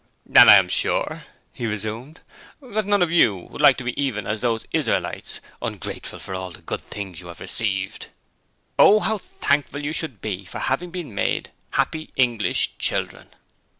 'And I am sure,' he resumed, 'that none of you would like to be even as those Israelites, ungrateful for all the good things you have received. Oh, how thankful you should be for having been made happy English children.